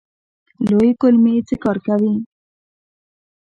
لویې کولمې څه کار کوي؟